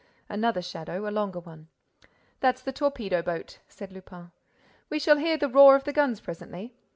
Another shadow, a longer one. "That's the torpedo boat," said Lupin. "We shall hear the roar of the guns presently.